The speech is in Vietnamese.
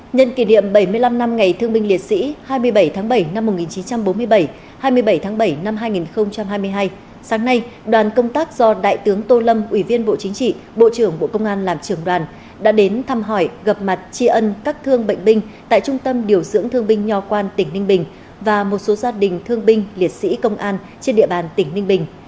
nhân kỷ niệm bảy mươi năm năm ngày thương binh liệt sĩ hai mươi bảy tháng bảy năm một nghìn chín trăm bốn mươi bảy hai mươi bảy tháng bảy năm hai nghìn hai mươi hai sáng nay đoàn công tác do đại tướng tô lâm ủy viên bộ chính trị bộ trưởng bộ công an làm trưởng đoàn đã đến thăm hỏi gặp mặt tri ân các thương bệnh binh tại trung tâm điều dưỡng thương binh nho quan tỉnh ninh bình và một số gia đình thương binh liệt sĩ công an trên địa bàn tỉnh ninh bình